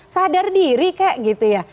sadar diri kayak gitu ya